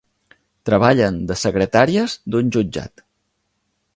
Treballen de secretàries d'un jutjat.